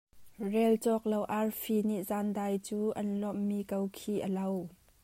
Relcawk lo arfi nih zaandai cu an lawmh mi ko khi a lo.